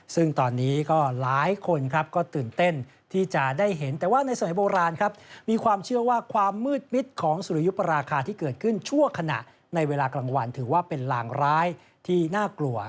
ซึ่งตอนนี้ก็หลายคนครับก็ตื่นเต้นที่จะได้เห็นแต่ว่าในสมัยโบราณครับมีความเชื่อว่าความมืดมิดของสุริยุปราคาที่เกิดขึ้นชั่วขณะในเวลากลางวันถือว่าเป็นลางร้ายที่น่ากลัว